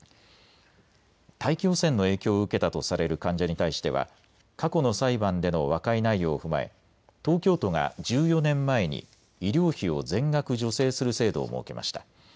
大気汚染の影響を受けたとされる患者に対しては過去の裁判での和解内容を踏まえ東京都が１４年前に医療費を全額助成する制度を設けました。